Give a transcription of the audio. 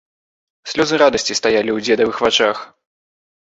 Слёзы радасці стаялі ў дзедавых вачах.